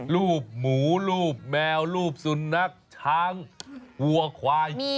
รูปหมูรูปแมวรูปสุนัขช้างวัวควาย